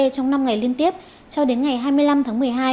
trong năm ngày liên tiếp cho đến ngày hai mươi năm tháng một mươi hai